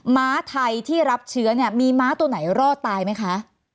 ม้าไทยที่รับเชื้อเนี่ยมีม้าตัวไหนรอดตายไหมคะ